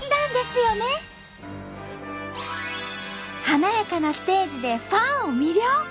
華やかなステージでファンを魅了！